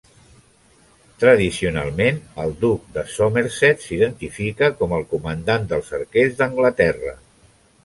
Tradicionalment, el duc de Somerset s'identifica com el comandant dels arquers d'Anglaterra.